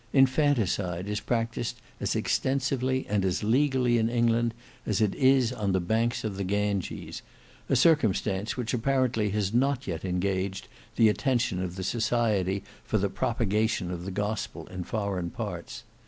Infanticide is practised as extensively and as legally in England, as it is on the banks of the Ganges; a circumstance which apparently has not yet engaged the attention of the Society for the Propagation of the Gospel in Foreign Parts.